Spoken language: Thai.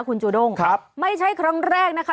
เบิร์ตลมเสียโอ้โห